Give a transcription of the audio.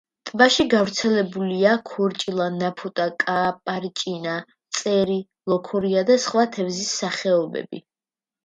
ტბაში გავრცელებულია ქორჭილა, ნაფოტა, კაპარჭინა, წერი, ლოქორია და სხვა თევზის სახეობები.